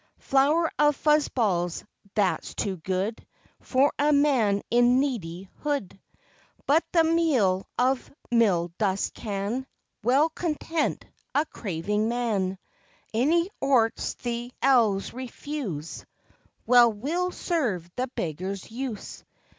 Flour of fuz balls, that's too good For a man in needy hood; But the meal of mill dust can Well content a craving man; Any orts the elves refuse Well will serve the beggar's use.